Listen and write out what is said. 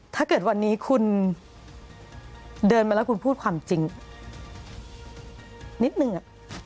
ถ้าเกิดวันนี้คุณเดินมาแล้วคุณพูดความจริงนิดนึง